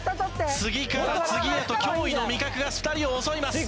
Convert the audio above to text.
次から次へと脅威の味覚が２人を襲います。